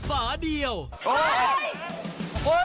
ฟ้าเดียวครับ